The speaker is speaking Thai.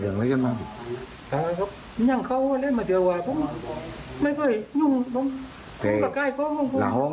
อย่างเขาเล่นมาเดี๋ยวไม่ค่อยยุ่ง